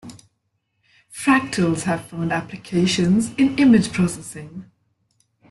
Fractals have found applications in image processing.